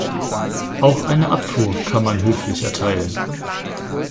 Auch eine Abfuhr kann man höflich erteilen.